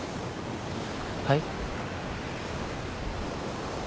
はい？